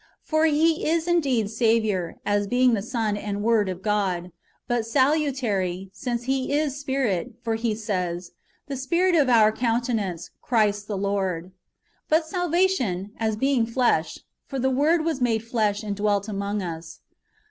"^ For He is indeed Saviour, as being the Son and Word of God ; but salutary, since [He is] Spirit ; for he says :" The Spirit of our countenance, Christ the Lord." ^ But salvation, as being flesh : for " the Word was made flesh, and dwelt among us."